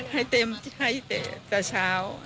ให้เต็มใจแต่เช้า